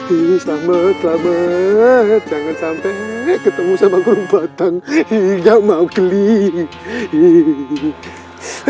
hai ini selamat selamat jangan sampai ketemu sama kurup batang tidak mau kelih